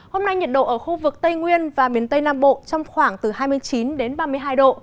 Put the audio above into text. hôm nay nhiệt độ ở khu vực tây nguyên và miền tây nam bộ trong khoảng từ hai mươi chín ba mươi hai độ